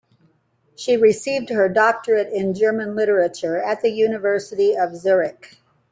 She received her doctorate in German literature at the University of Zurich.